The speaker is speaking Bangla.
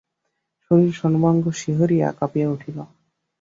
শশীর সর্বাঙ্গ শিহরিয়া কাঁপিয়া উঠিল।